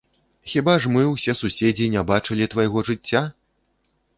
Хіба ж мы, усе суседзі, не бачылі твайго жыцця?